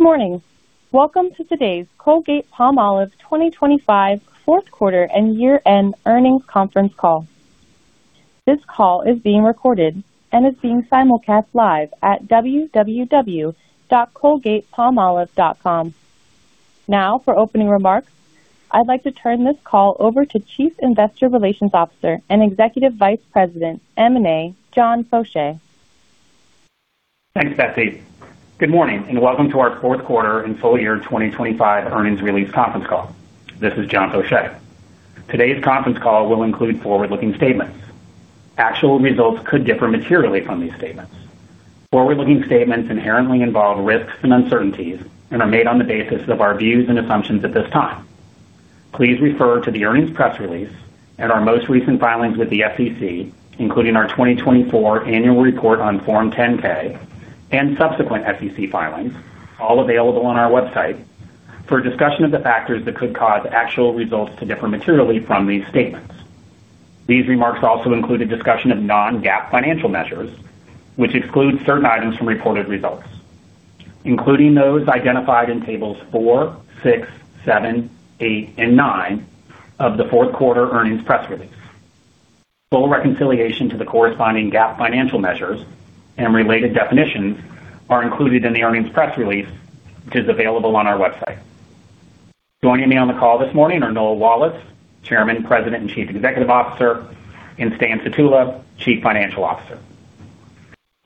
Good morning! Welcome to today's Colgate-Palmolive 2025 fourth quarter and year-end earnings conference call. This call is being recorded and is being simulcast live at www.colgatepalmolive.com. Now, for opening remarks, I'd like to turn this call over to Chief Investor Relations Officer and Executive Vice President, M&A, John Faucher. Thanks, Betsy. Good morning, and welcome to our Fourth Quarter and Full Year 2025 Earnings Release Conference Call. This is John Faucher. Today's conference call will include forward-looking statements. Actual results could differ materially from these statements. Forward-looking statements inherently involve risks and uncertainties and are made on the basis of our views and assumptions at this time. Please refer to the earnings press release and our most recent filings with the SEC, including our 2024 annual report on Form 10-K and subsequent SEC filings, all available on our website, for a discussion of the factors that could cause actual results to differ materially from these statements. These remarks also include a discussion of non-GAAP financial measures, which exclude certain items from reported results, including those identified in tables four, six, seven, eight, and nine of the fourth quarter earnings press release. Full reconciliation to the corresponding GAAP financial measures and related definitions are included in the earnings press release, which is available on our website. Joining me on the call this morning are Noel Wallace, Chairman, President, and Chief Executive Officer, and Stan Sutula, Chief Financial Officer.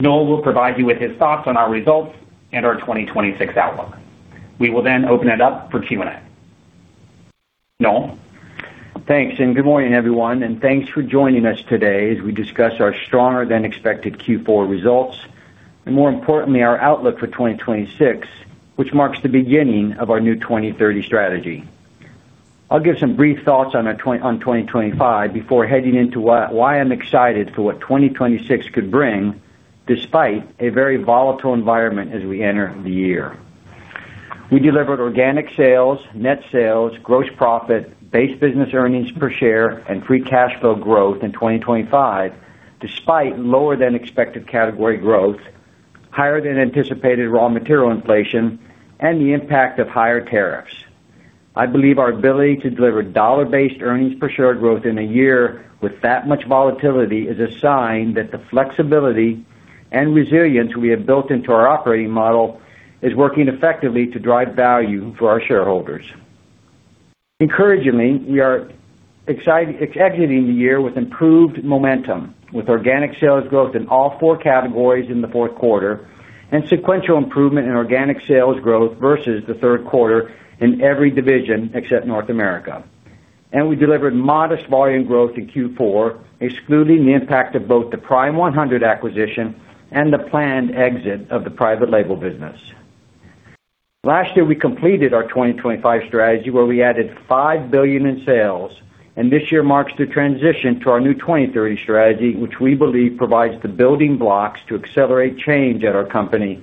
Noel will provide you with his thoughts on our results and our 2026 outlook. We will then open it up for Q&A. Noel? Thanks, and good morning, everyone, and thanks for joining us today as we discuss our stronger-than-expected Q4 results and, more importantly, our outlook for 2026, which marks the beginning of our new 2030 strategy. I'll give some brief thoughts on our 2025 before heading into why I'm excited for what 2026 could bring, despite a very volatile environment as we enter the year. We delivered organic sales, net sales, gross profit, base business earnings per share, and free cash flow growth in 2025, despite lower-than-expected category growth, higher-than-anticipated raw material inflation, and the impact of higher tariffs. I believe our ability to deliver dollar-based earnings per share growth in a year with that much volatility is a sign that the flexibility and resilience we have built into our operating model is working effectively to drive value for our shareholders. Encouragingly, we are exiting the year with improved momentum, with organic sales growth in all four categories in the fourth quarter and sequential improvement in organic sales growth versus the third quarter in every division except North America. We delivered modest volume growth in Q4, excluding the impact of both the Prime100 acquisition and the planned exit of the private label business. Last year, we completed our 2025 strategy, where we added $5 billion in sales, and this year marks the transition to our new 2030 strategy, which we believe provides the building blocks to accelerate change at our company,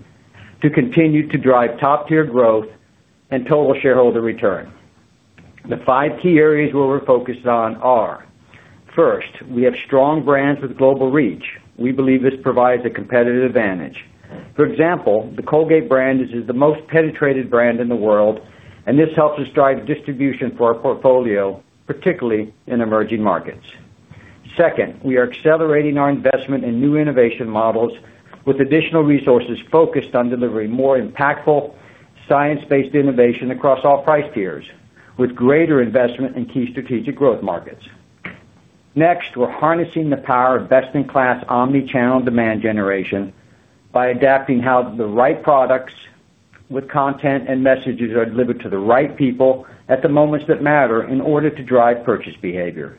to continue to drive top-tier growth and total shareholder return. The five key areas where we're focused on are: First, we have strong brands with global reach. We believe this provides a competitive advantage. For example, the Colgate brand is the most penetrated brand in the world, and this helps us drive distribution for our portfolio, particularly in emerging markets. Second, we are accelerating our investment in new innovation models with additional resources focused on delivering more impactful, science-based innovation across all price tiers, with greater investment in key strategic growth markets. Next, we're harnessing the power of best-in-class, omni-channel demand generation by adapting how the right products with content and messages are delivered to the right people at the moments that matter in order to drive purchase behavior.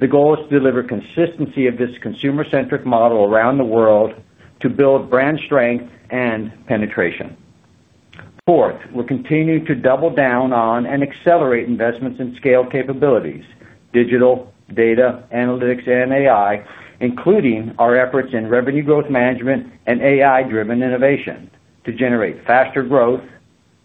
The goal is to deliver consistency of this consumer-centric model around the world to build brand strength and penetration. Fourth, we're continuing to double down on and accelerate investments in scale capabilities, digital, data, analytics, and AI, including our efforts in revenue growth management and AI-driven innovation, to generate faster growth,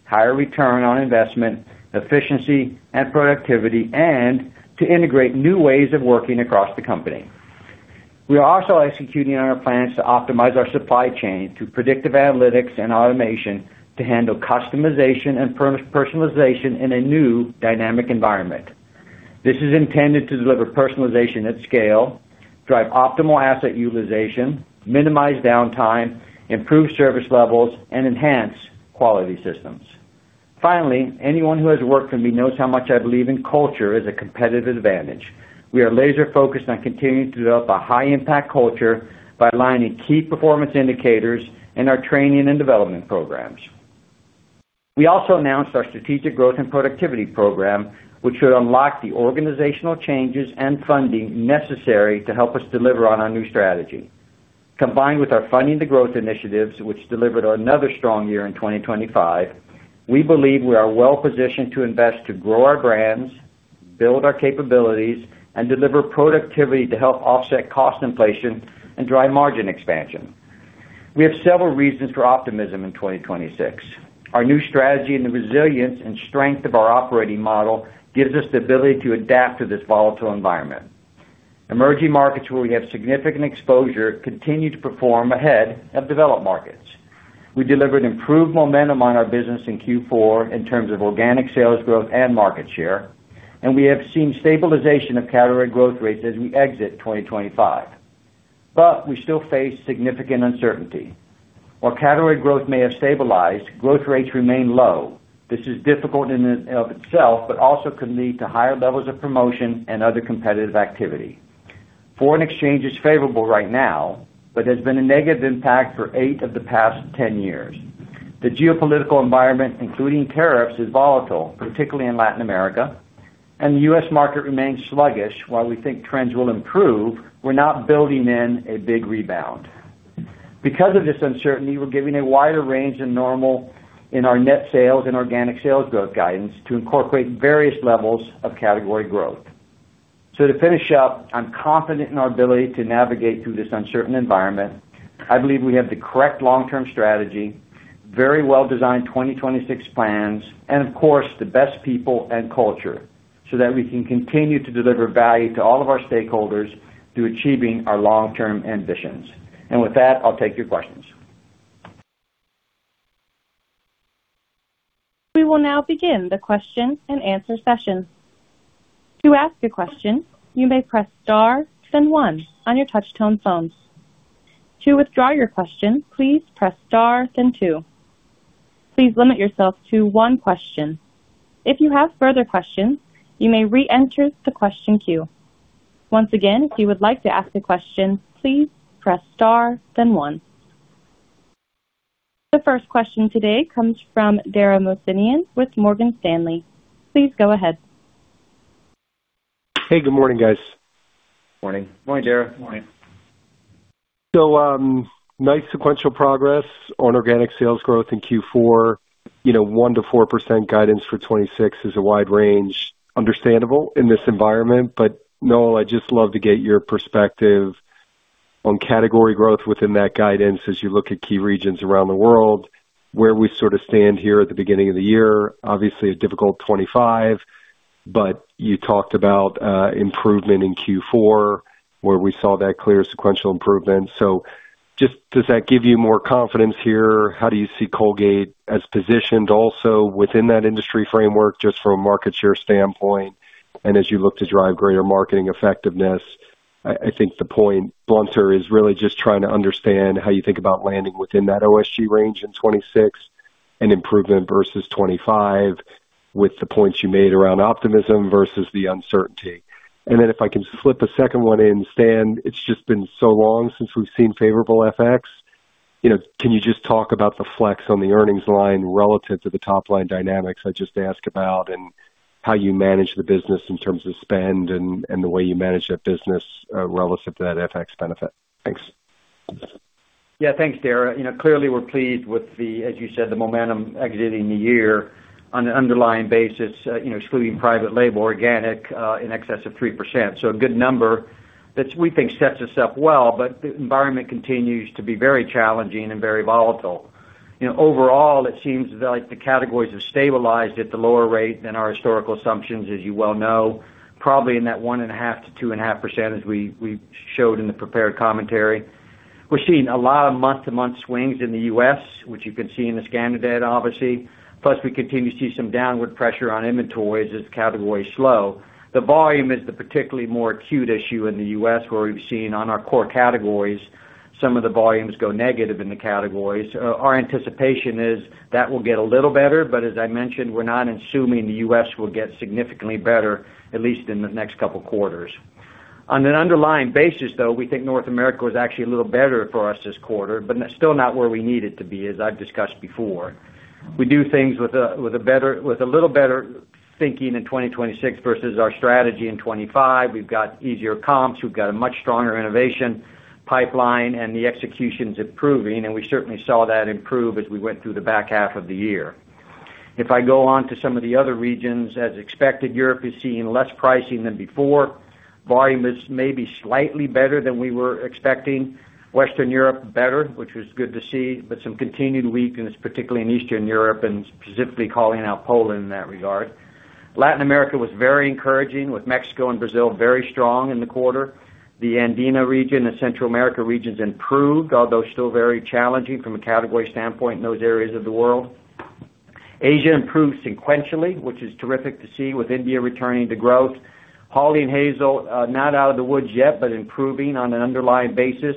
higher return on investment, efficiency and productivity, and to integrate new ways of working across the company. We are also executing on our plans to optimize our supply chain through predictive analytics and automation to handle customization and personalization in a new dynamic environment. This is intended to deliver personalization at scale, drive optimal asset utilization, minimize downtime, improve service levels, and enhance quality systems. Finally, anyone who has worked for me knows how much I believe in culture as a competitive advantage. We are laser-focused on continuing to develop a high-impact culture by aligning key performance indicators in our training and development programs. We also announced our Strategic Growth and Productivity Program, which should unlock the organizational changes and funding necessary to help us deliver on our new strategy. Combined with our Funding the Growth initiatives, which delivered another strong year in 2025, we believe we are well positioned to invest to grow our brands, build our capabilities, and deliver productivity to help offset cost inflation and drive margin expansion. We have several reasons for optimism in 2026. Our new strategy and the resilience and strength of our operating model gives us the ability to adapt to this volatile environment. Emerging markets where we have significant exposure, continue to perform ahead of developed markets. We delivered improved momentum on our business in Q4 in terms of organic sales growth and market share, and we have seen stabilization of category growth rates as we exit 2025. But we still face significant uncertainty. While category growth may have stabilized, growth rates remain low. This is difficult in and of itself, but also could lead to higher levels of promotion and other competitive activity. Foreign exchange is favorable right now, but there's been a negative impact for eight of the past 10 years. The geopolitical environment, including tariffs, is volatile, particularly in Latin America, and the U.S. market remains sluggish. While we think trends will improve, we're not building in a big rebound. Because of this uncertainty, we're giving a wider range than normal in our net sales and organic sales growth guidance to incorporate various levels of category growth. So to finish up, I'm confident in our ability to navigate through this uncertain environment. I believe we have the correct long-term strategy, very well-designed 2026 plans, and of course, the best people and culture, so that we can continue to deliver value to all of our stakeholders through achieving our long-term ambitions. With that, I'll take your questions. We will now begin the question and answer session. To ask a question, you may press star, then one on your touchtone phones. To withdraw your question, please press star, then two. Please limit yourself to one question. If you have further questions, you may reenter the question queue. Once again, if you would like to ask a question, please press star then one. The first question today comes from Dara Mohsenian with Morgan Stanley. Please go ahead. Hey, good morning, guys. Morning. Morning, Dara. Morning. So, nice sequential progress on organic sales growth in Q4. You know, 1%-4% guidance for 2026 is a wide range, understandable in this environment. But Noel, I'd just love to get your perspective on category growth within that guidance as you look at key regions around the world, where we sort of stand here at the beginning of the year. Obviously, a difficult 2025, but you talked about improvement in Q4, where we saw that clear sequential improvement. So just does that give you more confidence here? How do you see Colgate as positioned also within that industry framework, just from a market share standpoint, and as you look to drive greater marketing effectiveness? I think the point, bluntly, is really just trying to understand how you think about landing within that OSG range in 2026 and improvement versus 2025, with the points you made around optimism versus the uncertainty. And then if I can slip a second one in, Stan, it's just been so long since we've seen favorable FX. You know, can you just talk about the flex on the earnings line relative to the top line dynamics I just asked about, and how you manage the business in terms of spend and the way you manage that business relative to that FX benefit? Thanks. Yeah. Thanks, Dara. You know, clearly, we're pleased with the, as you said, the momentum exiting the year on an underlying basis, you know, excluding private label, organic, in excess of 3%. So a good number that we think sets us up well, but the environment continues to be very challenging and very volatile. You know, overall, it seems like the categories have stabilized at the lower rate than our historical assumptions, as you well know, probably in that 1.5%-2.5%, as we, we showed in the prepared commentary. We're seeing a lot of month-to-month swings in the U.S., which you can see in the scanner data, obviously. Plus, we continue to see some downward pressure on inventories as categories slow. The volume is the particularly more acute issue in the U.S., where we've seen on our core categories, some of the volumes go negative in the categories. Our anticipation is that will get a little better, but as I mentioned, we're not assuming the U.S. will get significantly better, at least in the next couple of quarters. On an underlying basis, though, we think North America was actually a little better for us this quarter, but still not where we need it to be, as I've discussed before. We do things with a little better thinking in 2026 versus our strategy in 2025. We've got easier comps, we've got a much stronger innovation pipeline, and the execution's improving, and we certainly saw that improve as we went through the back half of the year. If I go on to some of the other regions, as expected, Europe is seeing less pricing than before. Volume is maybe slightly better than we were expecting. Western Europe, better, which was good to see, but some continued weakness, particularly in Eastern Europe, and specifically calling out Poland in that regard. Latin America was very encouraging, with Mexico and Brazil very strong in the quarter. The Andean region and Central America regions improved, although still very challenging from a category standpoint in those areas of the world. Asia improved sequentially, which is terrific to see with India returning to growth. Hawley & Hazel, not out of the woods yet, but improving on an underlying basis.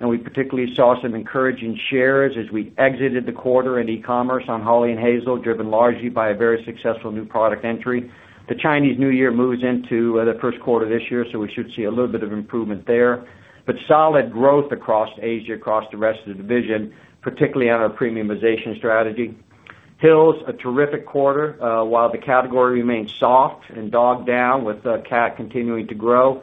And we particularly saw some encouraging shares as we exited the quarter in e-commerce on Hawley & Hazel, driven largely by a very successful new product entry. The Chinese New Year moves into the first quarter of this year, so we should see a little bit of improvement there. But solid growth across Asia, across the rest of the division, particularly on our premiumization strategy. Hill's, a terrific quarter. While the category remains soft and dogged down with cat continuing to grow,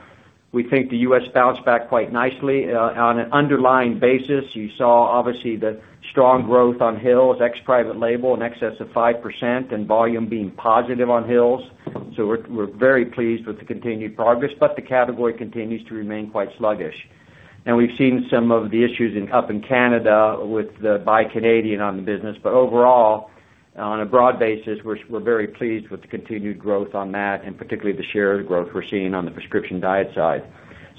we think the U.S. bounced back quite nicely. On an underlying basis, you saw obviously the strong growth on Hill's, ex private label in excess of 5% and volume being positive on Hill's. So we're, we're very pleased with the continued progress, but the category continues to remain quite sluggish. And we've seen some of the issues in—up in Canada with the Buy Canadian on the business. But overall, on a broad basis, we're very pleased with the continued growth on that, and particularly the share growth we're seeing on the Prescription Diet side.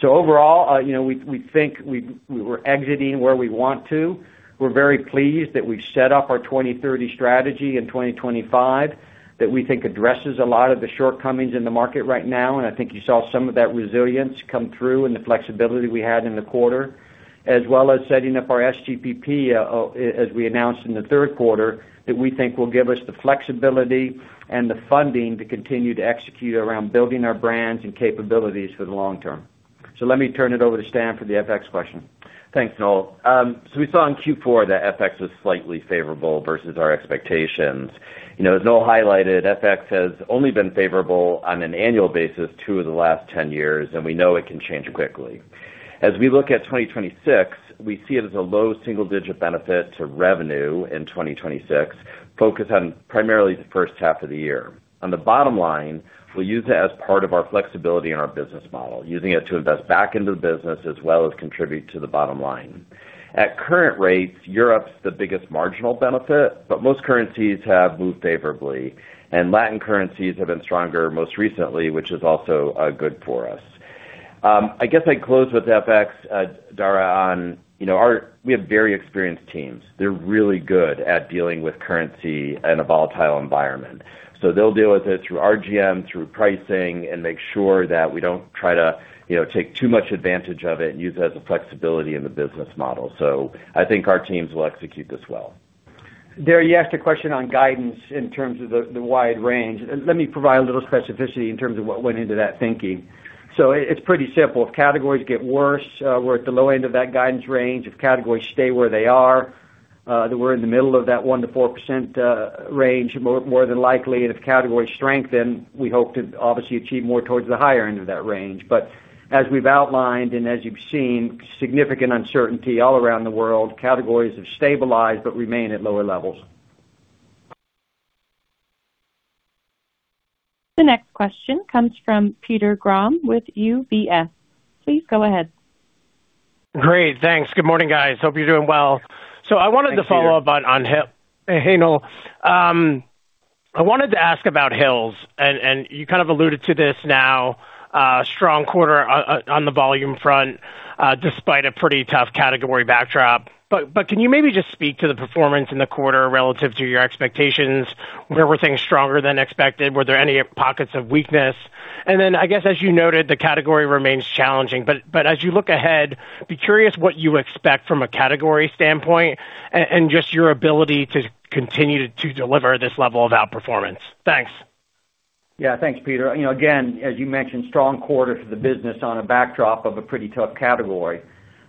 So overall, you know, we think we were exiting where we want to. We're very pleased that we've set up our 2030 strategy in 2025, that we think addresses a lot of the shortcomings in the market right now. And I think you saw some of that resilience come through in the flexibility we had in the quarter, as well as setting up our SGPP, as we announced in the third quarter, that we think will give us the flexibility and the funding to continue to execute around building our brands and capabilities for the long term. So let me turn it over to Stan for the FX question. Thanks, Noel. So we saw in Q4 that FX was slightly favorable versus our expectations. You know, as Noel highlighted, FX has only been favorable on an annual basis, two of the last 10 years, and we know it can change quickly. As we look at 2026, we see it as a low single-digit benefit to revenue in 2026, focused on primarily the first half of the year. On the bottom line, we'll use it as part of our flexibility in our business model, using it to invest back into the business as well as contribute to the bottom line. At current rates, Europe's the biggest marginal benefit, but most currencies have moved favorably, and Latin currencies have been stronger most recently, which is also good for us. I guess I'd close with FX, Dara, on, you know, our we have very experienced teams. They're really good at dealing with currency in a volatile environment. So they'll deal with it through RGM, through pricing, and make sure that we don't try to, you know, take too much advantage of it and use it as a flexibility in the business model. So I think our teams will execute this well. Dara, you asked a question on guidance in terms of the wide range. Let me provide a little specificity in terms of what went into that thinking. So it's pretty simple. If categories get worse, we're at the low end of that guidance range. If categories stay where they are, then we're in the middle of that 1%-4% range, more than likely. And if categories strengthen, we hope to obviously achieve more towards the higher end of that range. But as we've outlined and as you've seen, significant uncertainty all around the world. Categories have stabilized but remain at lower levels. The next question comes from Peter Grom with UBS. Please go ahead. Great, thanks. Good morning, guys. Hope you're doing well. Thank you. So I wanted to follow up on Hey, Noel. I wanted to ask about Hill's, and you kind of alluded to this now, strong quarter on the volume front, despite a pretty tough category backdrop. But can you maybe just speak to the performance in the quarter relative to your expectations? Where were things stronger than expected? Were there any pockets of weakness? And then, I guess, as you noted, the category remains challenging, but as you look ahead, be curious what you expect from a category standpoint and just your ability to continue to deliver this level of outperformance. Thanks. Yeah, thanks, Peter. You know, again, as you mentioned, strong quarter for the business on a backdrop of a pretty tough category.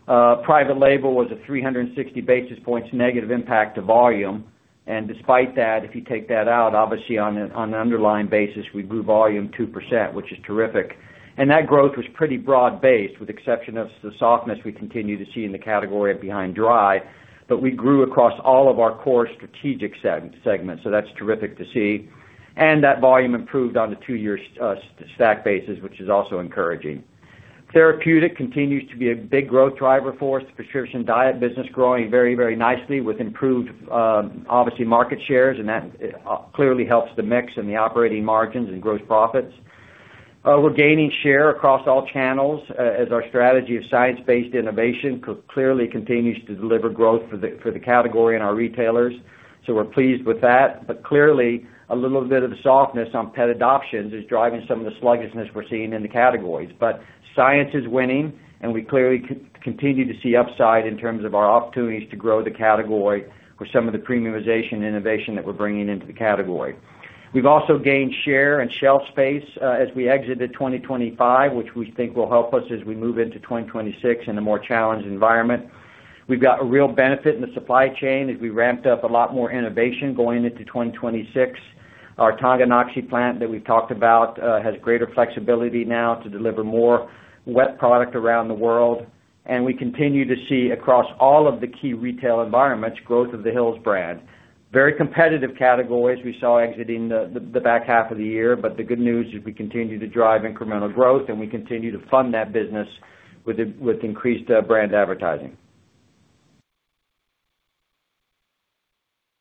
Private label was a 360 basis points negative impact to volume. And despite that, if you take that out, obviously on an underlying basis, we grew volume 2%, which is terrific. And that growth was pretty broad-based, with exception of the softness we continue to see in the category behind dry, but we grew across all of our core strategic segments, so that's terrific to see. And that volume improved on a two-year stack basis, which is also encouraging. Therapeutic continues to be a big growth driver for us. The Prescription Diet business growing very, very nicely with improved, obviously, market shares, and that clearly helps the mix and the operating margins and gross profits. We're gaining share across all channels, as our strategy of science-based innovation clearly continues to deliver growth for the category and our retailers, so we're pleased with that. But clearly, a little bit of the softness on pet adoptions is driving some of the sluggishness we're seeing in the categories. But science is winning, and we clearly continue to see upside in terms of our opportunities to grow the category with some of the premiumization innovation that we're bringing into the category. We've also gained share and shelf space, as we exited 2025, which we think will help us as we move into 2026 in a more challenged environment. We've got a real benefit in the supply chain as we ramped up a lot more innovation going into 2026. Our Tonganoxie plant that we've talked about has greater flexibility now to deliver more wet product around the world, and we continue to see across all of the key retail environments, growth of the Hill's brand. Very competitive categories we saw exiting the back half of the year, but the good news is we continue to drive incremental growth, and we continue to fund that business with increased brand advertising.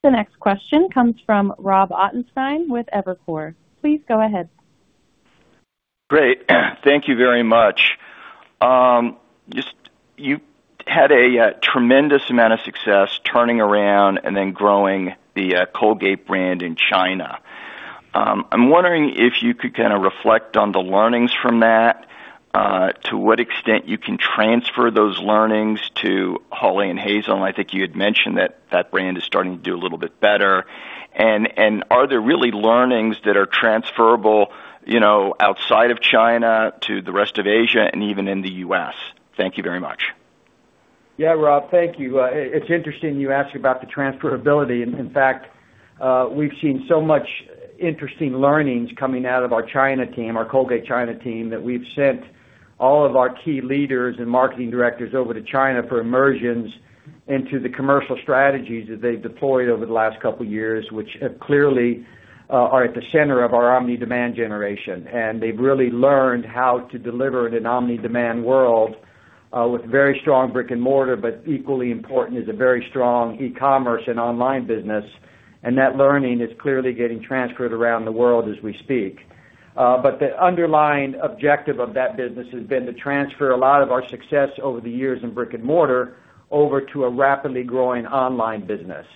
The next question comes from Rob Ottenstein with Evercore. Please go ahead. Great. Thank you very much. Just-- you had a tremendous amount of success turning around and then growing the Colgate brand in China. I'm wondering if you could kinda reflect on the learnings from that to what extent you can transfer those learnings to Hawley & Hazel. I think you had mentioned that that brand is starting to do a little bit better. And are there really learnings that are transferable, you know, outside of China to the rest of Asia and even in the U.S.? Thank you very much. Yeah, Rob, thank you. It's interesting you ask about the transferability. In fact, we've seen so much interesting learnings coming out of our China team, our Colgate China team, that we've sent all of our key leaders and marketing directors over to China for immersions into the commercial strategies that they've deployed over the last couple of years, which clearly are at the center of our omni-demand generation. And they've really learned how to deliver in an omni-demand world, with very strong brick-and-mortar, but equally important is a very strong e-commerce and online business, and that learning is clearly getting transferred around the world as we speak. But the underlying objective of that business has been to transfer a lot of our success over the years in brick-and-mortar over to a rapidly growing online business.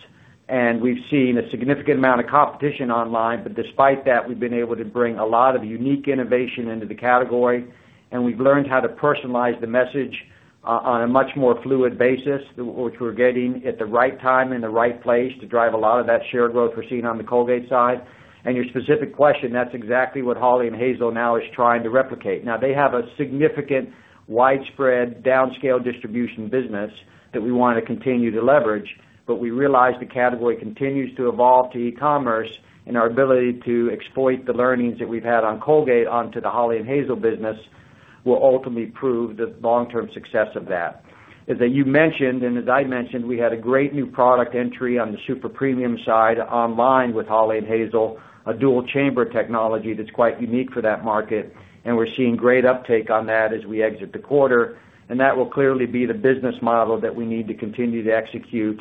And we've seen a significant amount of competition online, but despite that, we've been able to bring a lot of unique innovation into the category, and we've learned how to personalize the message on a much more fluid basis, which we're getting at the right time, in the right place, to drive a lot of that shared growth we're seeing on the Colgate side. And your specific question, that's exactly what Hawley & Hazel now is trying to replicate. Now, they have a significant, widespread, downscale distribution business that we wanna continue to leverage, but we realize the category continues to evolve to e-commerce, and our ability to exploit the learnings that we've had on Colgate onto the Hawley & Hazel business will ultimately prove the long-term success of that. As you mentioned, and as I mentioned, we had a great new product entry on the super premium side online with Hawley & Hazel, a dual-chamber technology that's quite unique for that market, and we're seeing great uptake on that as we exit the quarter. And that will clearly be the business model that we need to continue to execute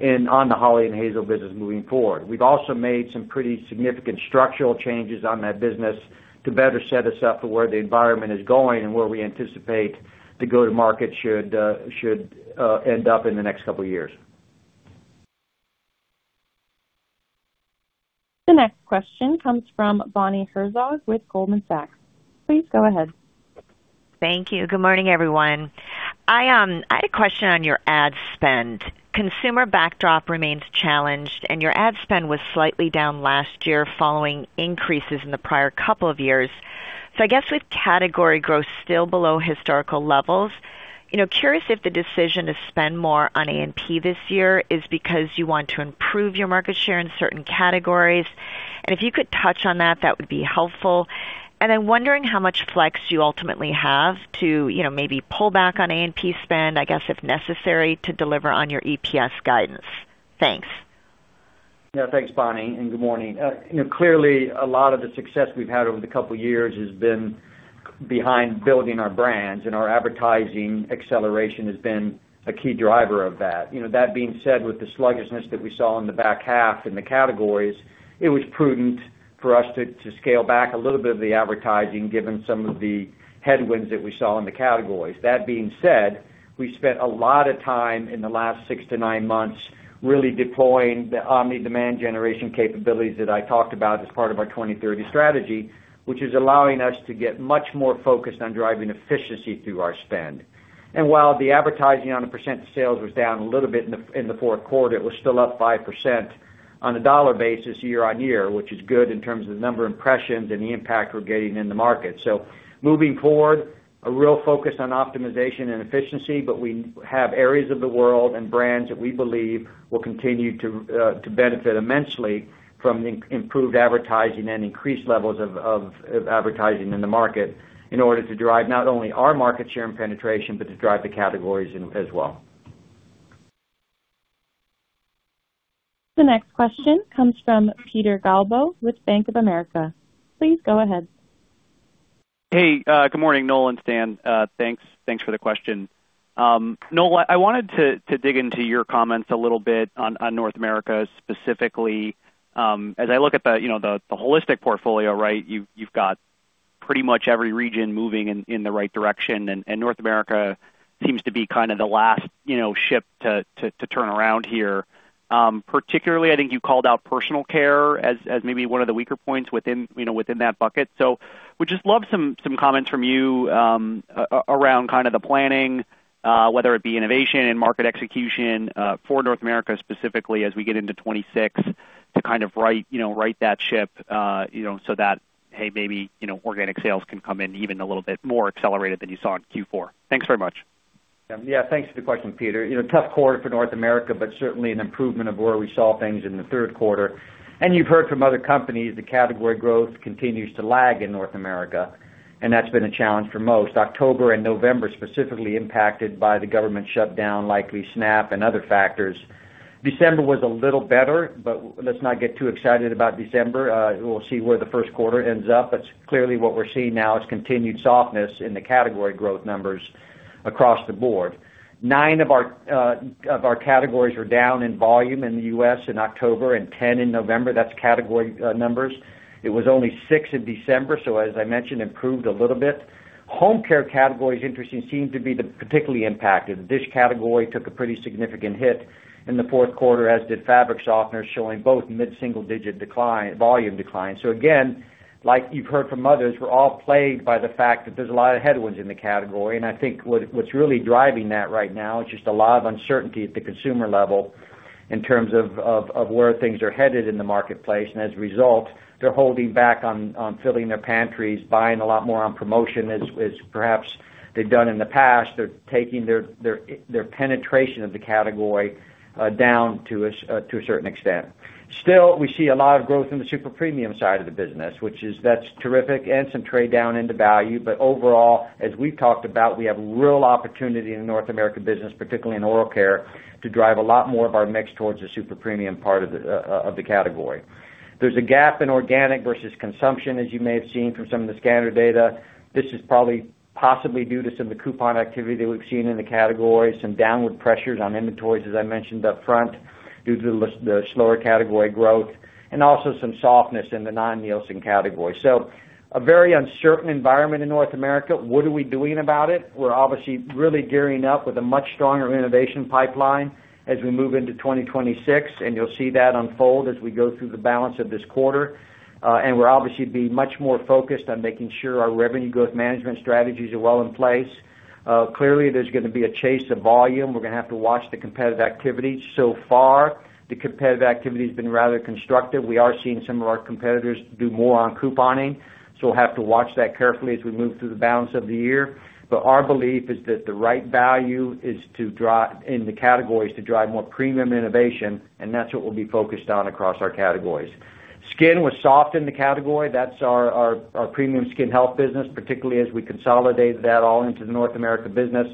in on the Hawley & Hazel business moving forward. We've also made some pretty significant structural changes on that business to better set us up for where the environment is going and where we anticipate to go to market should end up in the next couple of years. The next question comes from Bonnie Herzog with Goldman Sachs. Please go ahead. Thank you. Good morning, everyone. I had a question on your ad spend. Consumer backdrop remains challenged, and your ad spend was slightly down last year following increases in the prior couple of years. So I guess with category growth still below historical levels, you know, curious if the decision to spend more on A&P this year is because you want to improve your market share in certain categories. And if you could touch on that, that would be helpful. And I'm wondering how much flex you ultimately have to, you know, maybe pull back on A&P spend, I guess, if necessary, to deliver on your EPS guidance. Thanks. Yeah, thanks, Bonnie, and good morning. You know, clearly, a lot of the success we've had over the couple of years has been behind building our brands, and our advertising acceleration has been a key driver of that. You know, that being said, with the sluggishness that we saw in the back half in the categories, it was prudent for us to, to scale back a little bit of the advertising, given some of the headwinds that we saw in the categories. That being said, we spent a lot of time in the last six to nine months, really deploying the omni-channel demand generation capabilities that I talked about as part of our 2030 strategy, which is allowing us to get much more focused on driving efficiency through our spend. While the advertising on a % of sales was down a little bit in the fourth quarter, it was still up 5% on a dollar basis year-on-year, which is good in terms of the number impressions and the impact we're getting in the market. Moving forward, a real focus on optimization and efficiency, but we have areas of the world and brands that we believe will continue to benefit immensely from the improved advertising and increased levels of advertising in the market in order to drive not only our market share and penetration, but to drive the categories as well. The next question comes from Peter Galbo with Bank of America. Please go ahead. Hey, good morning, Noel and Stan. Thanks, thanks for the question. Noel, I wanted to dig into your comments a little bit on North America, specifically. As I look at you know, the holistic portfolio, right? You've got pretty much every region moving in the right direction, and North America seems to be kind of the last you know, ship to turn around here. Particularly, I think you called out personal care as maybe one of the weaker points within you know, within that bucket. So would just love some comments from you around kind of the planning, whether it be innovation and market execution, for North America, specifically as we get into 2026, to kind of right, you know, right that ship, you know, so that, hey, maybe, you know, organic sales can come in even a little bit more accelerated than you saw in Q4. Thanks very much. Yeah, thanks for the question, Peter. You know, tough quarter for North America, but certainly an improvement of where we saw things in the third quarter. And you've heard from other companies, the category growth continues to lag in North America, and that's been a challenge for most. October and November, specifically impacted by the government shutdown, likely SNAP and other factors. December was a little better, but let's not get too excited about December. We'll see where the first quarter ends up, but clearly what we're seeing now is continued softness in the category growth numbers across the board. Nine of our, of our categories were down in volume in the US in October and 10 in November. That's category numbers. It was only six in December, so as I mentioned, improved a little bit. Home care categories, interesting, seem to be the particularly impacted. Dish category took a pretty significant hit in the fourth quarter, as did fabric softener, showing both mid-single-digit volume decline. So again, like you've heard from others, we're all plagued by the fact that there's a lot of headwinds in the category. And I think what's really driving that right now is just a lot of uncertainty at the consumer level in terms of where things are headed in the marketplace, and as a result, they're holding back on filling their pantries, buying a lot more on promotion as perhaps they've done in the past. They're taking their penetration of the category down to a certain extent. Still, we see a lot of growth in the super premium side of the business, which is terrific, and some trade down into value. But overall, as we've talked about, we have real opportunity in the North America business, particularly in oral care, to drive a lot more of our mix towards the super premium part of the category. There's a gap in organic versus consumption, as you may have seen from some of the scanner data. This is probably possibly due to some of the coupon activity that we've seen in the category, some downward pressures on inventories, as I mentioned up front, due to the slower category growth, and also some softness in the non-Nielsen category. So a very uncertain environment in North America. What are we doing about it? We're obviously really gearing up with a much stronger innovation pipeline as we move into 2026, and you'll see that unfold as we go through the balance of this quarter. And we're obviously being much more focused on making sure our revenue growth management strategies are well in place. Clearly, there's gonna be a chase of volume. We're gonna have to watch the competitive activity. So far, the competitive activity has been rather constructive. We are seeing some of our competitors do more on couponing, so we'll have to watch that carefully as we move through the balance of the year. But our belief is that the right value is to drive in the categories, to drive more premium innovation, and that's what we'll be focused on across our categories. Skin was soft in the category. That's our premium skin health business, particularly as we consolidated that all into the North America business.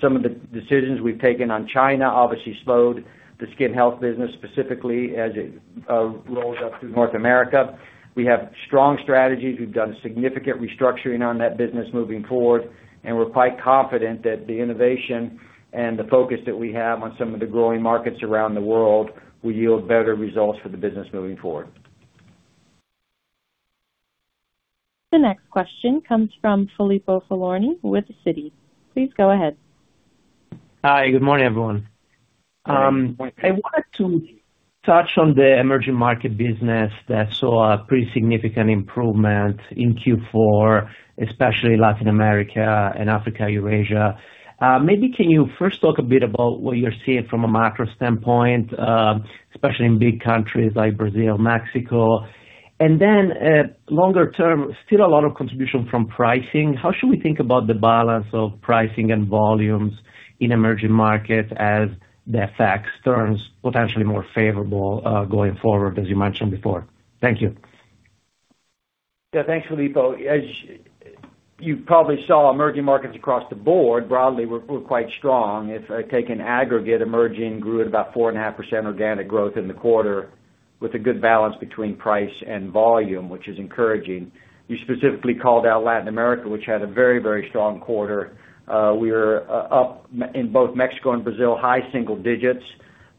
Some of the decisions we've taken on China obviously slowed the skin health business, specifically as it rolls up through North America. We have strong strategies. We've done significant restructuring on that business moving forward, and we're quite confident that the innovation and the focus that we have on some of the growing markets around the world will yield better results for the business moving forward. The next question comes from Filippo Falorni with Citi. Please go ahead. Hi, good morning, everyone. Good morning. I wanted to touch on the emerging market business that saw a pretty significant improvement in Q4, especially Latin America and Africa, Eurasia. Maybe can you first talk a bit about what you're seeing from a macro standpoint, especially in big countries like Brazil, Mexico? And then, longer term, still a lot of contribution from pricing. How should we think about the balance of pricing and volumes in emerging markets as the FX turns potentially more favorable, going forward, as you mentioned before? Thank you. Yeah, thanks, Filippo. As you probably saw, emerging markets across the board, broadly, were quite strong. If I take an aggregate, emerging grew at about 4.5% organic growth in the quarter, with a good balance between price and volume, which is encouraging. You specifically called out Latin America, which had a very, very strong quarter. We are up in both Mexico and Brazil, high single digits,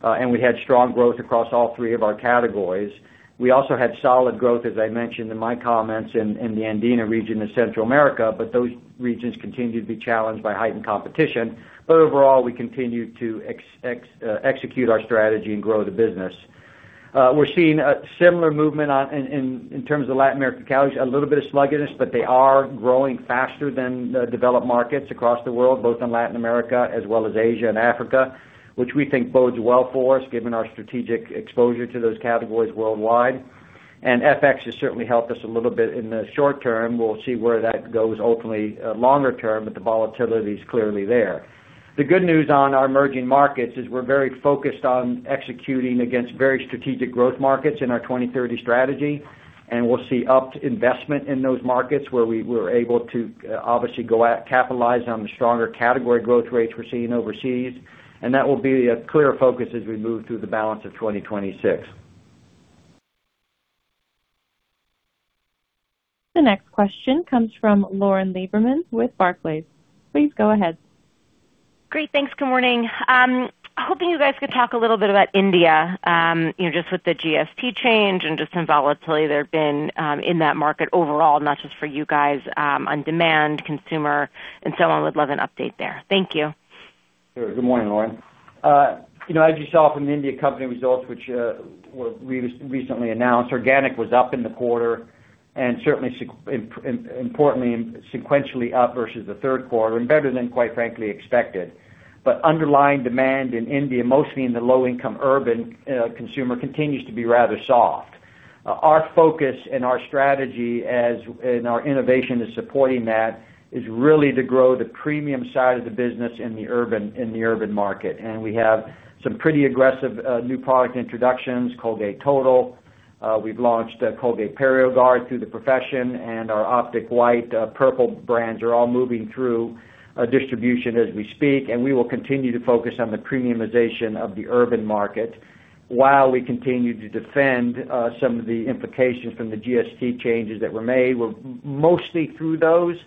and we had strong growth across all three of our categories. We also had solid growth, as I mentioned in my comments, in the Andina region of Central America, but those regions continue to be challenged by heightened competition. But overall, we continue to execute our strategy and grow the business. We're seeing a similar movement on in terms of Latin American categories, a little bit of sluggishness, but they are growing faster than the developed markets across the world, both in Latin America as well as Asia and Africa, which we think bodes well for us, given our strategic exposure to those categories worldwide. And FX has certainly helped us a little bit in the short term. We'll see where that goes ultimately, longer term, but the volatility is clearly there. The good news on our emerging markets is we're very focused on executing against very strategic growth markets in our 2030 Strategy, and we'll see upped investment in those markets where we're able to obviously go out, capitalize on the stronger category growth rates we're seeing overseas, and that will be a clear focus as we move through the balance of 2026. The next question comes from Lauren Lieberman with Barclays. Please go ahead. Great, thanks. Good morning. Hoping you guys could talk a little bit about India, you know, just with the GST change and just some volatility there have been in that market overall, not just for you guys, on demand, consumer, and so on. Would love an update there. Thank you. Sure. Good morning, Lauren. You know, as you saw from the India company results, which were recently announced, organic was up in the quarter and certainly importantly, sequentially up versus the third quarter, and better than, quite frankly, expected. But underlying demand in India, mostly in the low-income urban consumer, continues to be rather soft. Our focus and our strategy, and our innovation is supporting that, is really to grow the premium side of the business in the urban, in the urban market. And we have some pretty aggressive new product introductions, Colgate Total. We've launched Colgate PerioGard through the professional channel, and our Optic White Purple brands are all moving through distribution as we speak, and we will continue to focus on the premiumization of the urban market while we continue to defend some of the implications from the GST changes that were made. We're mostly through those,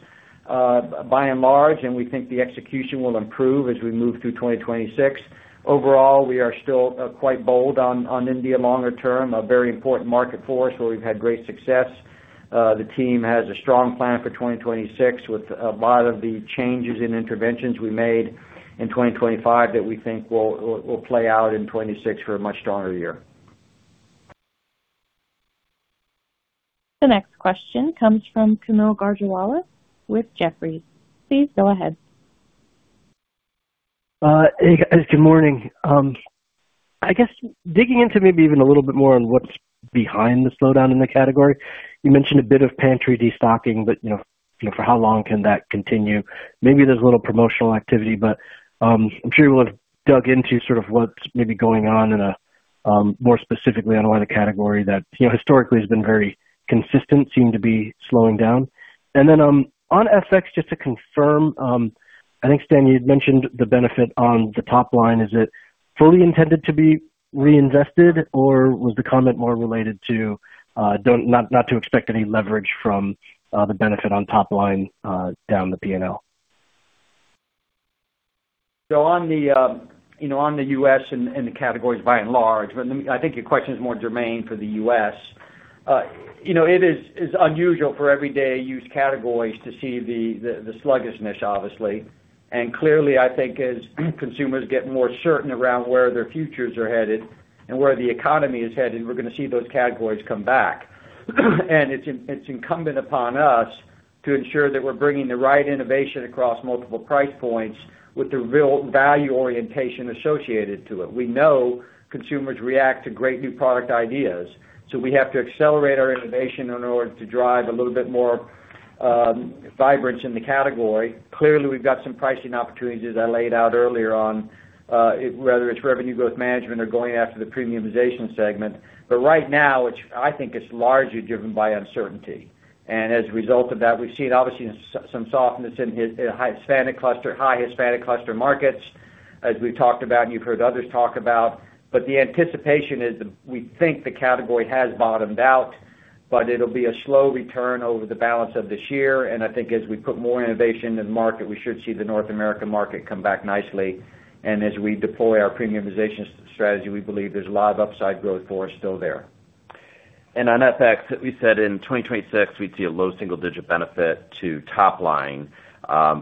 by and large, and we think the execution will improve as we move through 2026. Overall, we are still quite bold on India longer term, a very important market for us, where we've had great success. The team has a strong plan for 2026, with a lot of the changes in interventions we made in 2025 that we think will play out in 2026 for a much stronger year. The next question comes from Kaumil Gajrawala with Jefferies. Please go ahead. Hey, guys, good morning. I guess digging into maybe even a little bit more on what's behind the slowdown in the category, you mentioned a bit of pantry destocking, but, you know, you know, for how long can that continue? Maybe there's a little promotional activity, but, I'm sure you will have dug into sort of what's maybe going on in a...... more specifically on one of the category that, you know, historically has been very consistent, seem to be slowing down. And then, on FX, just to confirm, I think, Stan, you'd mentioned the benefit on the top line. Is it fully intended to be reinvested, or was the comment more related to not to expect any leverage from the benefit on top line down the P&L? So on the, you know, on the U.S. and, and the categories, by and large, but I think your question is more germane for the U.S. You know, it is unusual for everyday use categories to see the sluggishness, obviously. And clearly, I think as consumers get more certain around where their futures are headed and where the economy is headed, we're gonna see those categories come back. And it's incumbent upon us to ensure that we're bringing the right innovation across multiple price points with the real value orientation associated to it. We know consumers react to great new product ideas, so we have to accelerate our innovation in order to drive a little bit more vibrancy in the category. Clearly, we've got some pricing opportunities, as I laid out earlier on, whether it's revenue growth management or going after the premiumization segment. But right now, it's—I think it's largely driven by uncertainty. And as a result of that, we've seen obviously some softness in Hispanic cluster, high Hispanic cluster markets, as we've talked about, and you've heard others talk about, but the anticipation is we think the category has bottomed out, but it'll be a slow return over the balance of this year. And I think as we put more innovation in the market, we should see the North American market come back nicely. And as we deploy our premiumization strategy, we believe there's a lot of upside growth for us still there. And on FX, we said in 2026, we'd see a low single-digit benefit to top line,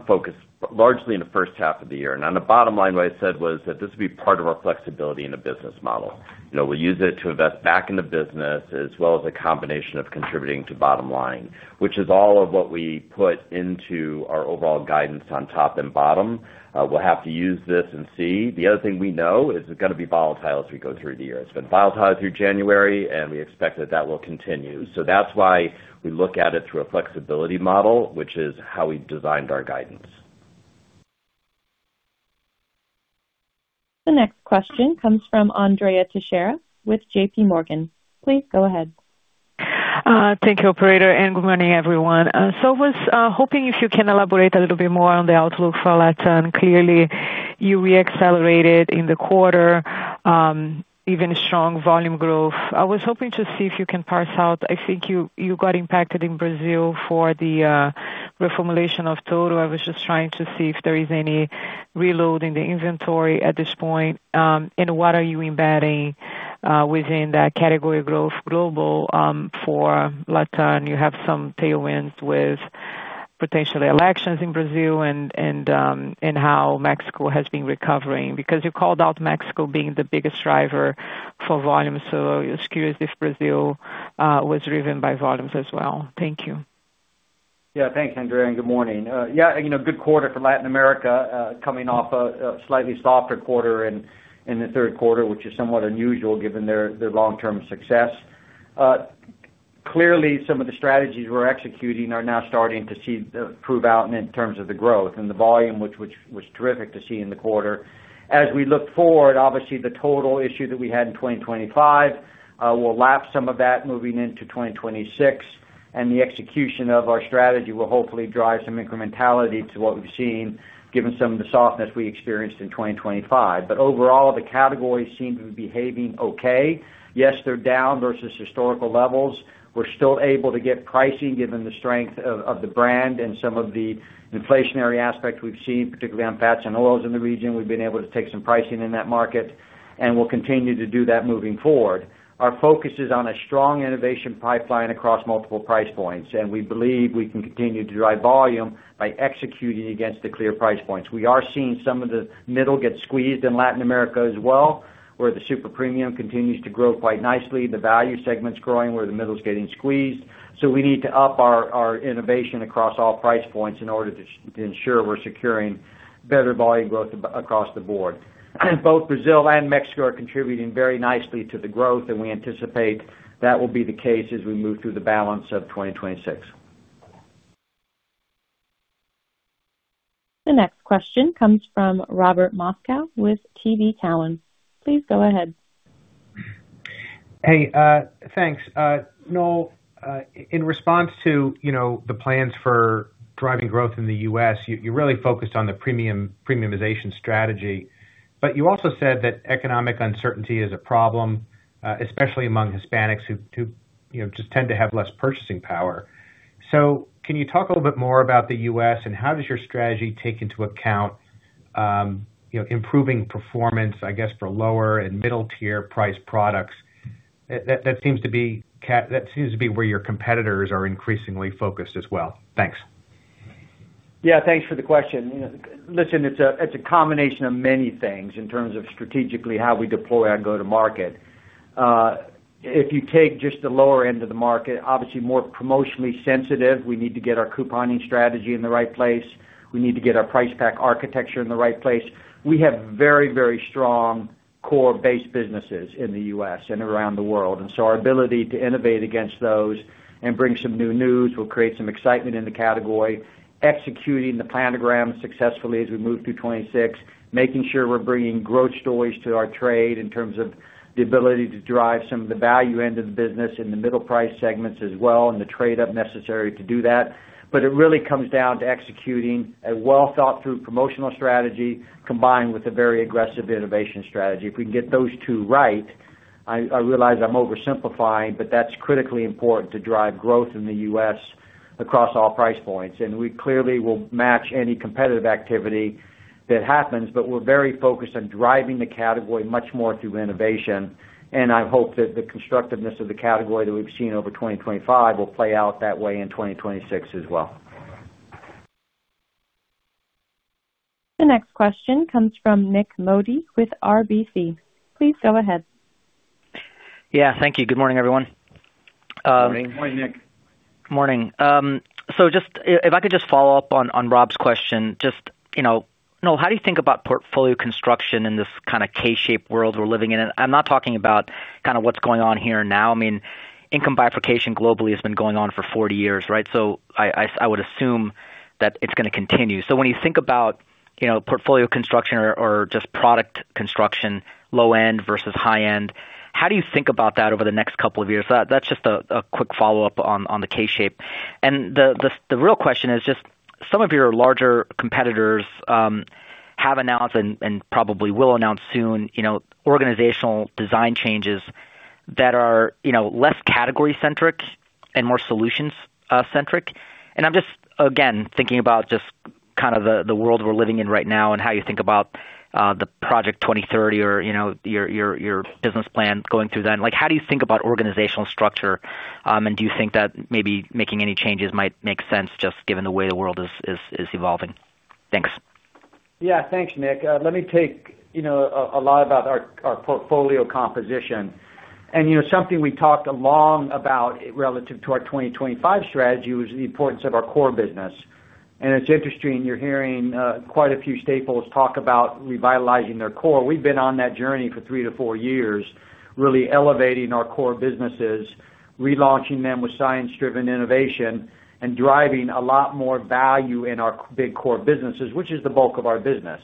focused largely in the first half of the year. And on the bottom line, what I said was that this would be part of our flexibility in the business model. You know, we'll use it to invest back in the business, as well as a combination of contributing to bottom line, which is all of what we put into our overall guidance on top and bottom. We'll have to use this and see. The other thing we know is it's gonna be volatile as we go through the year. It's been volatile through January, and we expect that that will continue. So that's why we look at it through a flexibility model, which is how we've designed our guidance. The next question comes from Andrea Teixeira with J.P. Morgan. Please go ahead. Thank you, operator, and good morning, everyone. So I was hoping if you can elaborate a little bit more on the outlook for Latin. Clearly, you reaccelerated in the quarter, even strong volume growth. I was hoping to see if you can parse out... I think you got impacted in Brazil for the reformulation of Total. I was just trying to see if there is any reload in the inventory at this point, and what are you embedding within that category growth global for Latin? You have some tailwinds with potentially elections in Brazil and how Mexico has been recovering. Because you called out Mexico being the biggest driver for volume, so just curious if Brazil was driven by volumes as well. Thank you. Yeah. Thanks, Andrea, and good morning. Yeah, you know, good quarter for Latin America, coming off a slightly softer quarter in the third quarter, which is somewhat unusual given their long-term success. Clearly, some of the strategies we're executing are now starting to see prove out in terms of the growth and the volume, which was terrific to see in the quarter. As we look forward, obviously, the Total issue that we had in 2025, we'll lap some of that moving into 2026, and the execution of our strategy will hopefully drive some incrementality to what we've seen, given some of the softness we experienced in 2025. But overall, the categories seem to be behaving okay. Yes, they're down versus historical levels. We're still able to get pricing, given the strength of the brand and some of the inflationary aspects we've seen, particularly on fats and oils in the region. We've been able to take some pricing in that market, and we'll continue to do that moving forward. Our focus is on a strong innovation pipeline across multiple price points, and we believe we can continue to drive volume by executing against the clear price points. We are seeing some of the middle get squeezed in Latin America as well, where the super premium continues to grow quite nicely, the value segment's growing, where the middle is getting squeezed. So we need to up our innovation across all price points in order to ensure we're securing better volume growth across the board. Both Brazil and Mexico are contributing very nicely to the growth, and we anticipate that will be the case as we move through the balance of 2026. The next question comes from Robert Moskow with TD Cowen. Please go ahead. Hey, thanks. Noel, in response to, you know, the plans for driving growth in the U.S., you really focused on the premiumization strategy, but you also said that economic uncertainty is a problem, especially among Hispanics who, you know, just tend to have less purchasing power. So can you talk a little bit more about the U.S., and how does your strategy take into account, you know, improving performance, I guess, for lower and middle-tier price products? That seems to be where your competitors are increasingly focused as well. Thanks. Yeah, thanks for the question. You know, listen, it's a combination of many things in terms of strategically how we deploy our go-to-market. If you take just the lower end of the market, obviously more promotionally sensitive, we need to get our couponing strategy in the right place. We need to get our price pack architecture in the right place. We have very, very strong core base businesses in the U.S. and around the world, and so our ability to innovate against those and bring some new news will create some excitement in the category, executing the planogram successfully as we move through 2026, making sure we're bringing growth stories to our trade in terms of the ability to drive some of the value end of the business in the middle price segments as well, and the trade up necessary to do that. But it really comes down to executing a well-thought-through promotional strategy, combined with a very aggressive innovation strategy. If we can get those two right... I, I realize I'm oversimplifying, but that's critically important to drive growth in the U.S. across all price points, and we clearly will match any competitive activity that happens. But we're very focused on driving the category much more through innovation, and I hope that the constructiveness of the category that we've seen over 2025 will play out that way in 2026 as well. The next question comes from Nik Modi with RBC. Please go ahead. Yeah, thank you. Good morning, everyone. Morning. Morning, Nik. Morning. So just, if I could just follow up on Rob's question, just, you know, Noel, how do you think about portfolio construction in this kind of K-shaped world we're living in? I'm not talking about kind of what's going on here now. I mean, income bifurcation globally has been going on for 40 years, right? So I would assume that it's gonna continue. So when you think about, you know, portfolio construction or just product construction, low end versus high end, how do you think about that over the next couple of years? That's just a quick follow-up on the K shape. And the real question is just some of your larger competitors have announced and probably will announce soon, you know, organizational design changes that are, you know, less category-centric and more solutions centric. And I'm just, again, thinking about just kind of the world we're living in right now and how you think about the project 2030 or, you know, your business plan going through then. Like, how do you think about organizational structure, and do you think that maybe making any changes might make sense, just given the way the world is evolving? Thanks. Yeah, thanks, Nick. Let me take, you know, a lot about our portfolio composition. And, you know, something we talked a lot about relative to our 2025 Strategy was the importance of our core business. And it's interesting, you're hearing quite a few staples talk about revitalizing their core. We've been on that journey for three or four years, really elevating our core businesses, relaunching them with science-driven innovation, and driving a lot more value in our big core businesses, which is the bulk of our business.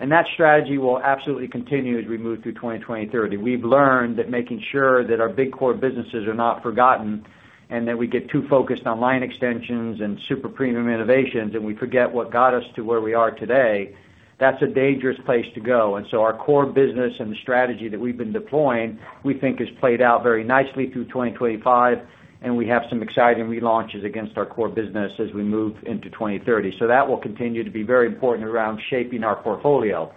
And that strategy will absolutely continue as we move through 2030. We've learned that making sure that our big core businesses are not forgotten and that we get too focused on line extensions and super premium innovations, and we forget what got us to where we are today, that's a dangerous place to go. Our core business and the strategy that we've been deploying, we think, has played out very nicely through 2025, and we have some exciting relaunches against our core business as we move into 2030. So that will continue to be very important around shaping our portfolio.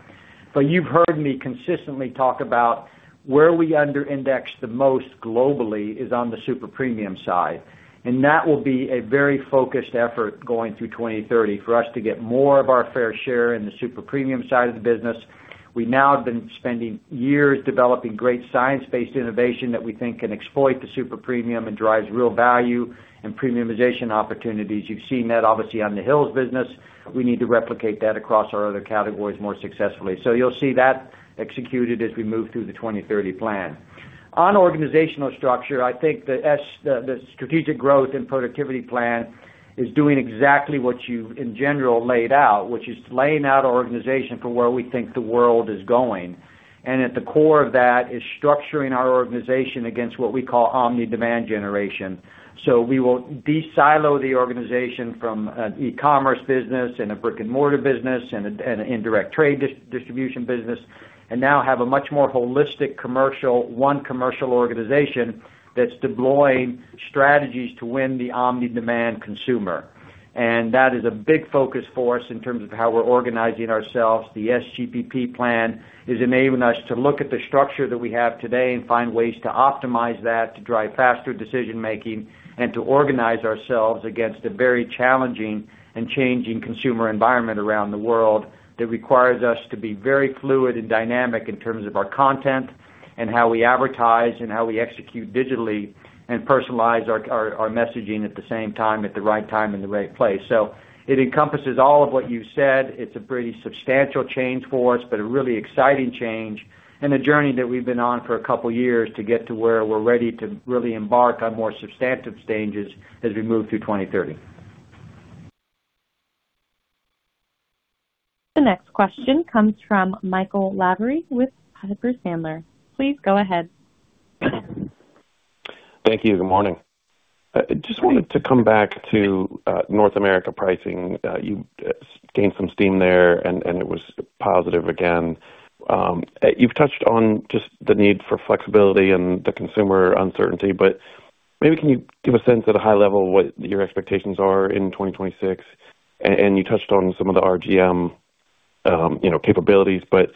But you've heard me consistently talk about where we under index the most globally is on the super premium side, and that will be a very focused effort going through 2030 for us to get more of our fair share in the super premium side of the business. We now have been spending years developing great science-based innovation that we think can exploit the super premium and drives real value and premiumization opportunities. You've seen that obviously, on the Hill's business. We need to replicate that across our other categories more successfully. So you'll see that executed as we move through the 2030 plan. On organizational structure, I think the Strategic Growth and Productivity Plan is doing exactly what you've in general laid out, which is laying out our organization for where we think the world is going. And at the core of that is structuring our organization against what we call omni demand generation. So we will de-silo the organization from an e-commerce business and a brick-and-mortar business and an indirect trade distribution business, and now have a much more holistic commercial one commercial organization that's deploying strategies to win the omni demand consumer. And that is a big focus for us in terms of how we're organizing ourselves. The SGPP plan is enabling us to look at the structure that we have today and find ways to optimize that, to drive faster decision-making, and to organize ourselves against a very challenging and changing consumer environment around the world that requires us to be very fluid and dynamic in terms of our content and how we advertise and how we execute digitally and personalize our messaging at the same time, at the right time, in the right place. So it encompasses all of what you said. It's a pretty substantial change for us, but a really exciting change and a journey that we've been on for a couple of years to get to where we're ready to really embark on more substantive stages as we move through 2030. The next question comes from Michael Lavery with Piper Sandler. Please go ahead. Thank you. Good morning. I just wanted to come back to North America pricing. You gained some steam there, and it was positive again. You've touched on just the need for flexibility and the consumer uncertainty, but maybe can you give a sense at a high level what your expectations are in 2026? And you touched on some of the RGM, you know, capabilities, but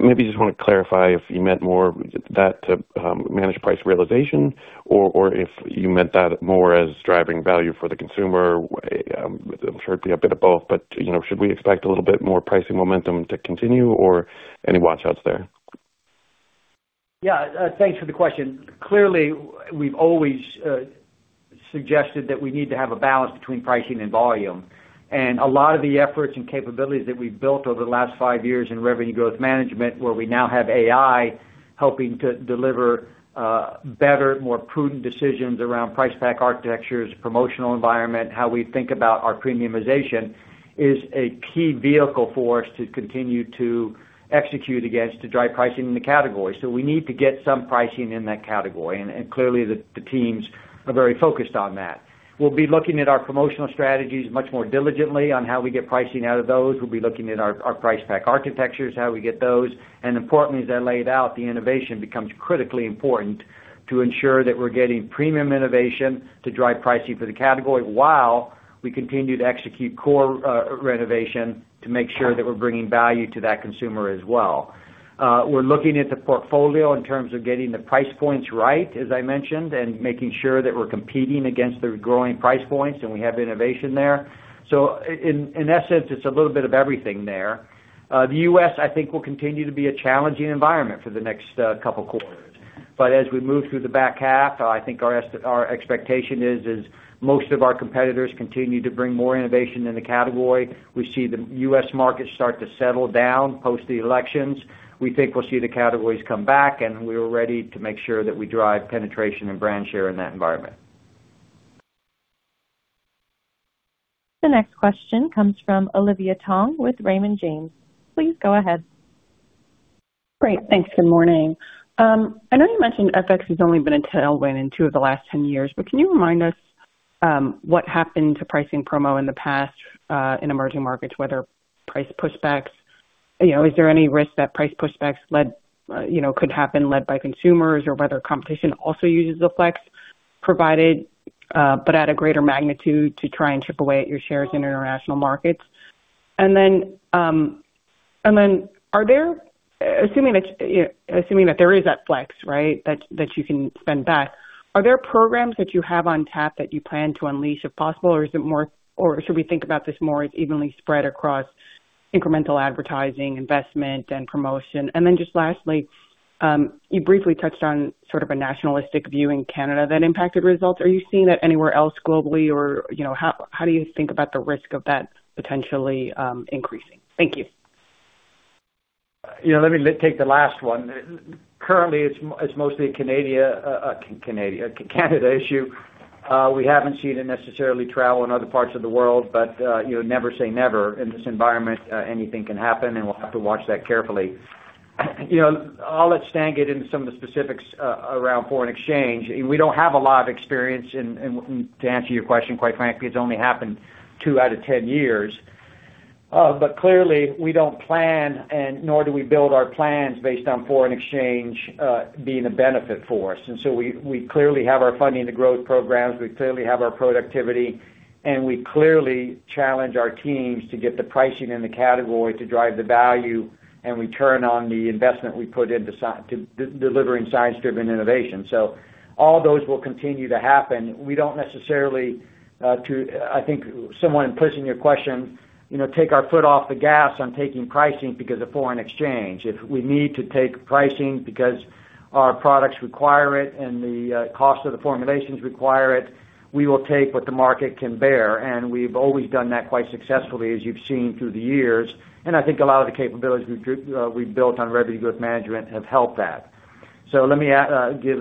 maybe you just wanna clarify if you meant more that to manage price realization or if you meant that more as driving value for the consumer? I'm sure it'd be a bit of both, but you know, should we expect a little bit more pricing momentum to continue or any watch-outs there? Yeah, thanks for the question. Clearly, we've always suggested that we need to have a balance between pricing and volume. And a lot of the efforts and capabilities that we've built over the last five years in revenue growth management, where we now have AI helping to deliver, better, more prudent decisions around price pack architectures, promotional environment, how we think about our premiumization, is a key vehicle for us to continue to execute against, to drive pricing in the category. So we need to get some pricing in that category, and clearly, the teams are very focused on that. We'll be looking at our promotional strategies much more diligently on how we get pricing out of those. We'll be looking at our price pack architectures, how we get those, and importantly, as I laid out, the innovation becomes critically important to ensure that we're getting premium innovation to drive pricing for the category, while we continue to execute core renovation, to make sure that we're bringing value to that consumer as well. We're looking at the portfolio in terms of getting the price points right, as I mentioned, and making sure that we're competing against the growing price points, and we have innovation there. So in essence, it's a little bit of everything there. The U.S., I think, will continue to be a challenging environment for the next couple quarters. But as we move through the back half, I think our expectation is most of our competitors continue to bring more innovation in the category. We see the U.S. market start to settle down post the elections. We think we'll see the categories come back, and we're ready to make sure that we drive penetration and brand share in that environment. The next question comes from Olivia Tong with Raymond James. Please go ahead. Great, thanks. Good morning. I know you mentioned FX has only been a tailwind in two of the last 10 years, but can you remind us what happened to pricing promo in the past in emerging markets, whether price pushbacks? You know, is there any risk that price pushbacks led, you know, could happen, led by consumers, or whether competition also uses the flex provided, but at a greater magnitude, to try and chip away at your shares in international markets? And then, and then are there—assuming that, assuming that there is that flex, right, that, that you can spend back, are there programs that you have on tap that you plan to unleash, if possible, or is it more—or should we think about this more as evenly spread across incremental advertising, investment, and promotion? Then, just lastly, you briefly touched on sort of a nationalistic view in Canada that impacted results. Are you seeing that anywhere else globally, or, you know, how do you think about the risk of that potentially increasing? Thank you. Yeah, let me take the last one. Currently, it's mostly a Canada issue. We haven't seen it necessarily travel in other parts of the world, but, you know, never say never. In this environment, anything can happen, and we'll have to watch that carefully. You know, I'll let Stan get into some of the specifics around foreign exchange. We don't have a lot of experience in to answer your question, quite frankly, it's only happened two out of ten years. But clearly, we don't plan, and nor do we build our plans based on foreign exchange being a benefit for us. And so we clearly have our Funding the Growth programs, we clearly have our productivity, and we clearly challenge our teams to get the pricing in the category to drive the value, and we turn on the investment we put into delivering science-driven innovation. So all those will continue to happen. We don't necessarily take our foot off the gas on taking pricing because of foreign exchange. If we need to take pricing because our products require it and the cost of the formulations require it, we will take what the market can bear, and we've always done that quite successfully, as you've seen through the years. And I think a lot of the capabilities we've built on revenue growth management have helped that. So let me give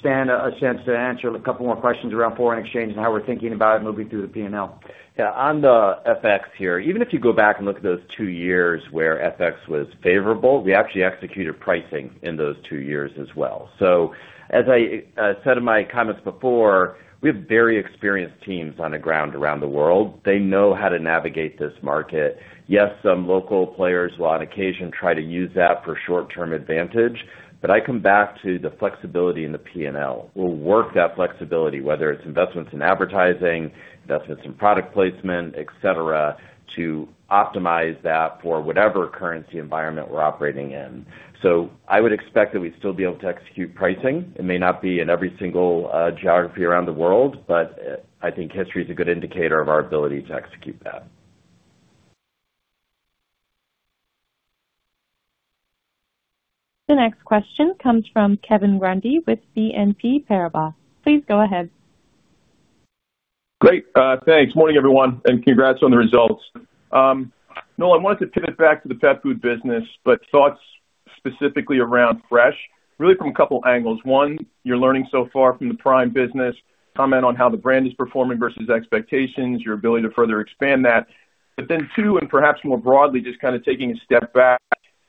Stan a chance to answer a couple more questions around foreign exchange and how we're thinking about it moving through the P&L. Yeah, on the FX here, even if you go back and look at those two years where FX was favorable, we actually executed pricing in those two years as well. So as I said in my comments before, we have very experienced teams on the ground around the world. They know how to navigate this market. Yes, some local players will on occasion try to use that for short-term advantage, but I come back to the flexibility in the P&L. We'll work that flexibility, whether it's investments in advertising, investments in product placement, et cetera, to optimize that for whatever currency environment we're operating in. So I would expect that we'd still be able to execute pricing. It may not be in every single geography around the world, but I think history is a good indicator of our ability to execute that. The next question comes from Kevin Grundy with BNP Paribas. Please go ahead. Great, thanks. Morning, everyone, and congrats on the results. Noel, I wanted to pivot back to the pet food business, but thoughts specifically around fresh, really from a couple angles. One, you're learning so far from the Prime business, comment on how the brand is performing versus expectations, your ability to further expand that. But then two, and perhaps more broadly, just kind of taking a step back,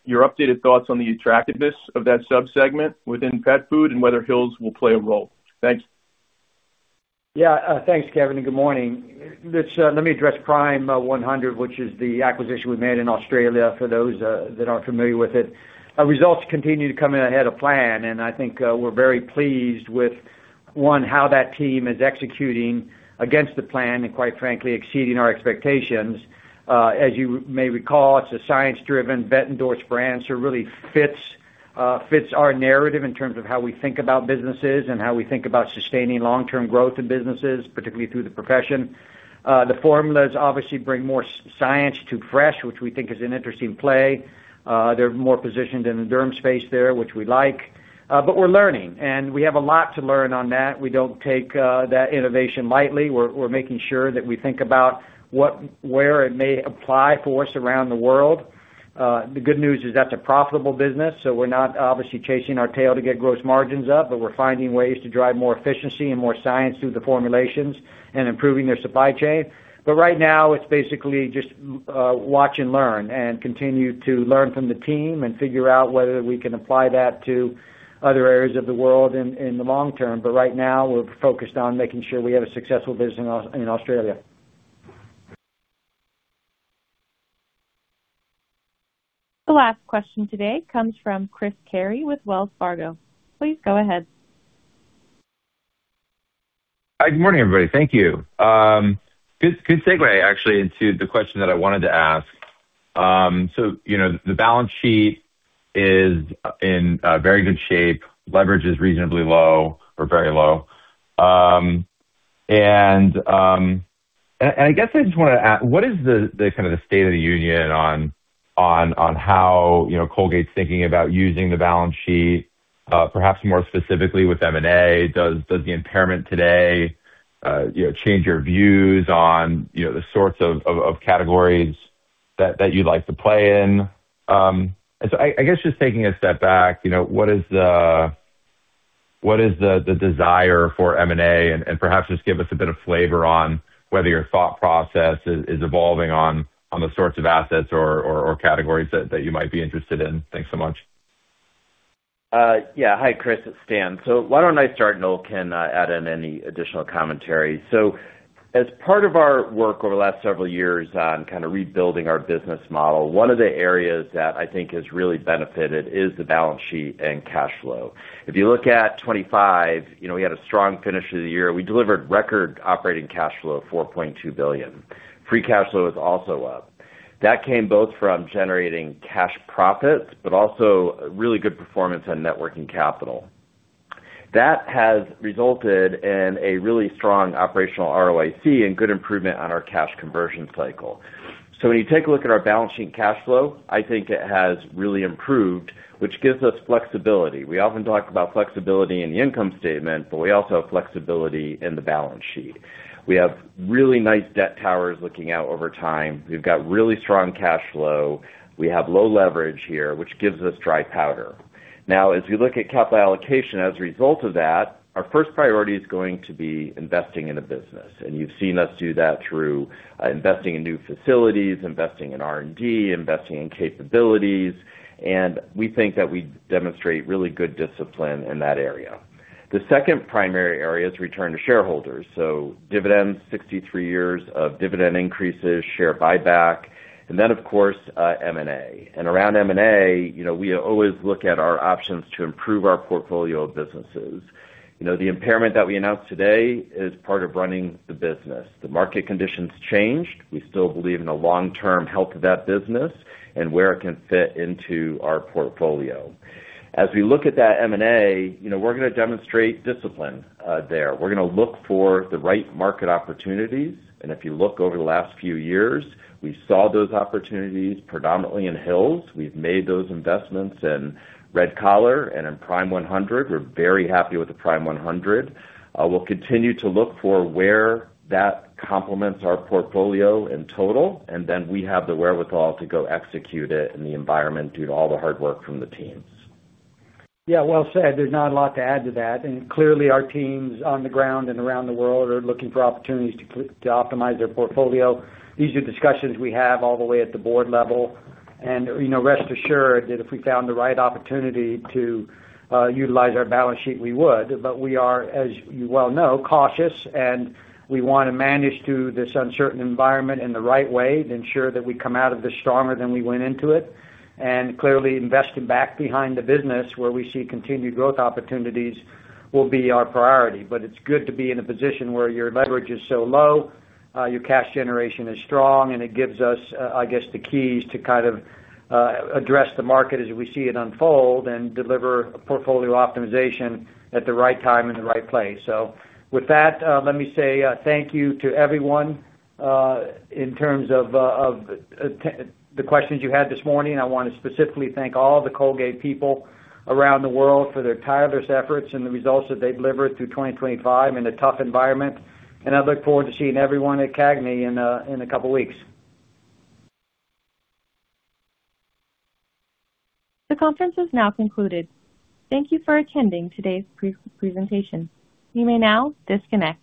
your updated thoughts on the attractiveness of that subsegment within pet food and whether Hill's will play a role. Thanks. Yeah, thanks, Kevin, and good morning. Let's, let me address Prime100, which is the acquisition we made in Australia, for those, that aren't familiar with it. Our results continue to come in ahead of plan, and I think, we're very pleased with, one, how that team is executing against the plan and quite frankly, exceeding our expectations. As you may recall, it's a science-driven, vet-endorsed brand, so it really fits our narrative in terms of how we think about businesses and how we think about sustaining long-term growth in businesses, particularly through the profession. The formulas obviously bring more science to fresh, which we think is an interesting play. They're more positioned in the derm space there, which we like... But we're learning, and we have a lot to learn on that. We don't take that innovation lightly. We're making sure that we think about what where it may apply for us around the world. The good news is that's a profitable business, so we're not obviously chasing our tail to get gross margins up, but we're finding ways to drive more efficiency and more science through the formulations and improving their supply chain. But right now, it's basically just watch and learn, and continue to learn from the team, and figure out whether we can apply that to other areas of the world in the long term. But right now, we're focused on making sure we have a successful business in Australia. The last question today comes from Chris Carey with Wells Fargo. Please go ahead. Hi, good morning, everybody. Thank you. Good, good segue, actually, into the question that I wanted to ask. So, you know, the balance sheet is in very good shape. Leverage is reasonably low or very low. And I guess I just wanna ask: What is the kind of the state of the union on how, you know, Colgate's thinking about using the balance sheet, perhaps more specifically with M&A? Does the impairment today, you know, change your views on, you know, the sorts of categories that you'd like to play in? And so I guess, just taking a step back, you know, what is the desire for M&A? And perhaps just give us a bit of flavor on whether your thought process is evolving on the sorts of assets or categories that you might be interested in. Thanks so much. Yeah. Hi, Chris, it's Stan. So why don't I start, and Noel can add in any additional commentary? So as part of our work over the last several years on kinda rebuilding our business model, one of the areas that I think has really benefited is the balance sheet and cash flow. If you look at 2025, you know, we had a strong finish to the year. We delivered record operating cash flow of $4.2 billion. Free cash flow is also up. That came both from generating cash profits, but also really good performance on net working capital. That has resulted in a really strong operational ROIC and good improvement on our cash conversion cycle. So when you take a look at our balance sheet and cash flow, I think it has really improved, which gives us flexibility. We often talk about flexibility in the income statement, but we also have flexibility in the balance sheet. We have really nice debt towers looking out over time. We've got really strong cash flow. We have low leverage here, which gives us dry powder. Now, as we look at capital allocation, as a result of that, our first priority is going to be investing in the business, and you've seen us do that through, investing in new facilities, investing in R&D, investing in capabilities, and we think that we demonstrate really good discipline in that area. The second primary area is return to shareholders, so dividends, 63 years of dividend increases, share buyback, and then, of course, M&A. And around M&A, you know, we always look at our options to improve our portfolio of businesses. You know, the impairment that we announced today is part of running the business. The market conditions changed. We still believe in the long-term health of that business and where it can fit into our portfolio. As we look at that M&A, you know, we're gonna demonstrate discipline there. We're gonna look for the right market opportunities, and if you look over the last few years, we saw those opportunities predominantly in Hill's. We've made those investments in Red Collar and in Prime100. We're very happy with the Prime100. We'll continue to look for where that complements our portfolio in total, and then we have the wherewithal to go execute it in the environment due to all the hard work from the teams. Yeah, well said. There's not a lot to add to that. And clearly, our teams on the ground and around the world are looking for opportunities to optimize their portfolio. These are discussions we have all the way at the board level. And, you know, rest assured that if we found the right opportunity to utilize our balance sheet, we would. But we are, as you well know, cautious, and we wanna manage through this uncertain environment in the right way to ensure that we come out of this stronger than we went into it. And clearly, investing back behind the business where we see continued growth opportunities will be our priority. It's good to be in a position where your leverage is so low, your cash generation is strong, and it gives us, I guess, the keys to kind of, address the market as we see it unfold and deliver a portfolio optimization at the right time and the right place. With that, let me say, thank you to everyone, in terms of, of, the questions you had this morning. I wanna specifically thank all the Colgate people around the world for their tireless efforts and the results that they've delivered through 2025 in a tough environment, and I look forward to seeing everyone at CAGNY in a couple of weeks. The conference is now concluded. Thank you for attending today's pre-presentation. You may now disconnect.